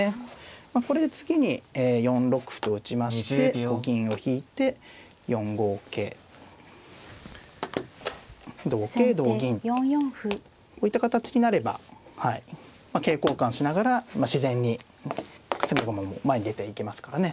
まあこれで次に４六歩と打ちましてこう銀を引いて４五桂同桂同銀こういった形になればはい桂交換をしながら自然に攻め駒も前に出ていけますからね。